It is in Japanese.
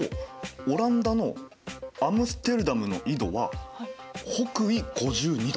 オランダのアムステルダムの緯度は北緯５２度。